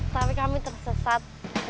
tapi kami tersesat